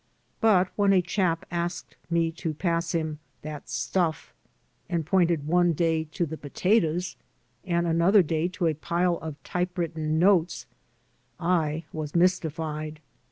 But when a chap asked me to pass him "that stuflf," and pointed one day to the potatoes and another day to a pile of typewritten notes X was mystified.